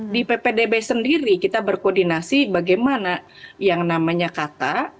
di ppdb sendiri kita berkoordinasi bagaimana yang namanya kata